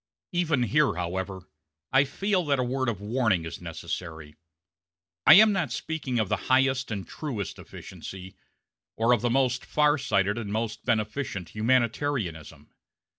Even here, however, I feel that a word of warning is necessary. I am not speaking of the highest and truest efficiency, or of the most far sighted and most beneficent humanitarianism.